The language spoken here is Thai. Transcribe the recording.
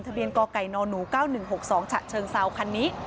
เบียนกไก่นหนู๙๑๖๒ฉะเชิงเซาคันนี้